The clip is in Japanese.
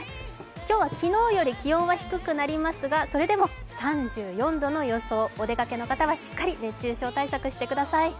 今日は昨日より気温は低くなりますが、それでも３４度の予想お出かけの方はしっかり熱中症対策してください。